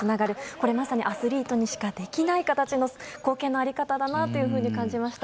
これ、まさにアスリートにしかできない形の貢献の在り方だなというふうに感じました。